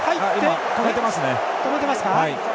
止めていますね。